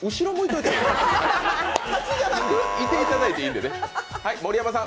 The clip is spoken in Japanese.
いていただいていいんでね。